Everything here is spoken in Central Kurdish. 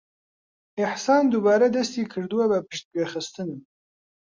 ئیحسان دووبارە دەستی کردووە بە پشتگوێخستنم.